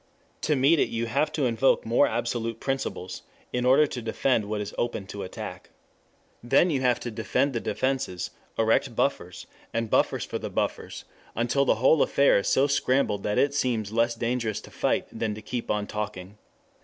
To meet it you have to invoke more absolute principles in order to defend what is open to attack. Then you have to defend the defenses, erect buffers, and buffers for the buffers, until the whole affair is so scrambled that it seems less dangerous to fight than to keep on talking.